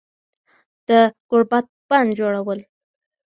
د گوربت بندجوړول